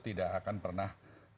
tidak akan pernah